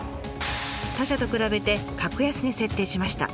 他社と比べて格安に設定しました。